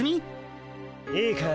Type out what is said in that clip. いいかい？